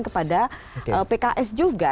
kepada pks juga